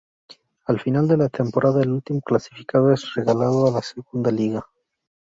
Al final de la temporada el último clasificado es relegado a Segunda Liga.